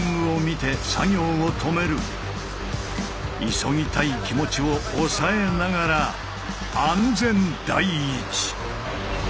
急ぎたい気持ちを抑えながら安全第一！